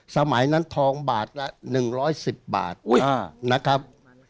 สมัยนั้นทองบาทละ๑๑๐บาทนะครับ